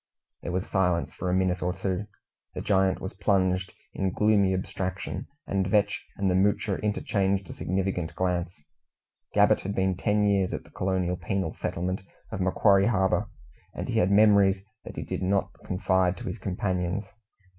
There was silence for a minute or two. The giant was plunged in gloomy abstraction, and Vetch and the Moocher interchanged a significant glance. Gabbett had been ten years at the colonial penal settlement of Macquarie Harbour, and he had memories that he did not confide to his companions.